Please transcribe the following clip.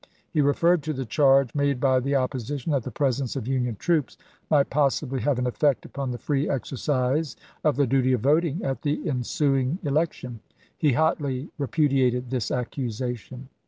He referred to the charge made by the opposition that the presence of Union troops might possibly have an effect upon the free exercise of the duty of voting at the ensuing elec tion. He hotly repudiated this accusation.